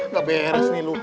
gak beres nih lu